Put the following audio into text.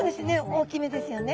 大きめですよね。